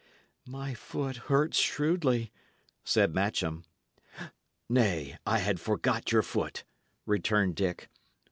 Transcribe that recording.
"My foot hurts shrewdly," said Matcham. "Nay, I had forgot your foot," returned Dick.